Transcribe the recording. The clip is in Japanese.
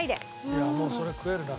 いやもうそれ食えるな。